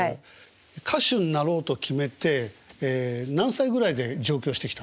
歌手になろうと決めて何歳ぐらいで上京してきたんですか？